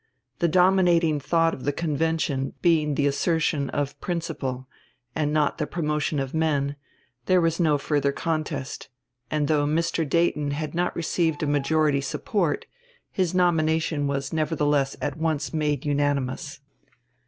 The dominating thought of the convention being the assertion of principle, and not the promotion of men, there was no further contest; and though Mr. Dayton had not received a majority support, his nomination was nevertheless at once made unanimous.